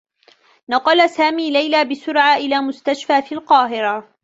نقل سامي ليلى بسرعة إلى مستشفى في القاهرة.